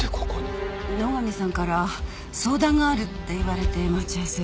野上さんから相談があるって言われて待ち合わせを。